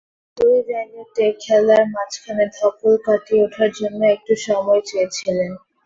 দুই ভেন্যুতে খেলার মাঝখানে ধকল কাটিয়ে ওঠার জন্য একটু সময় চেয়েছিলেন।